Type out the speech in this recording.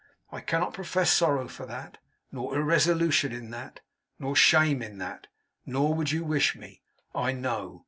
I cannot profess sorrow for that, nor irresolution in that, nor shame in that. Nor would you wish me, I know.